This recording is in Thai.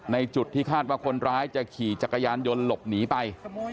จุดที่คาดว่าคนร้ายจะขี่จักรยานยนต์หลบหนีไป